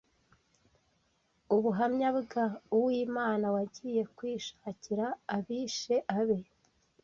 Ubuhamya bwa Uwimana wagiye kwishakira abishe abe